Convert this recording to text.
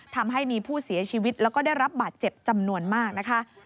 ทำให้มีผู้เสียชีวิตแล้วก็ได้รับบาดเจ็บจำนวนมากนะคะ